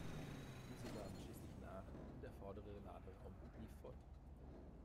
Diese gaben schließlich nach und der vordere Laderaum lief voll.